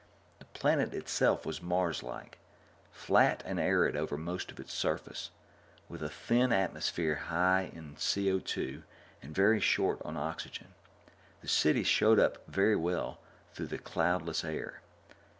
The planet itself was Marslike flat and arid over most of its surface, with a thin atmosphere high in CO_2 and very short on oxygen. The city showed up very well through the cloudless air.